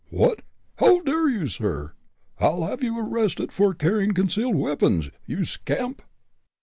"What! how dare you, sir! I'll have you arrested for carrying concealed weapons, you scamp!"